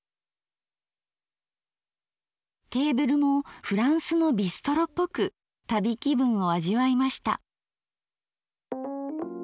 テーブルもフランスのビストロっぽく旅気分を味わいました。